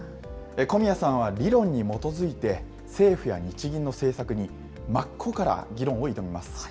小宮さんは理論に基づいて、政府や日銀の政策に真っ向から議論を挑みます。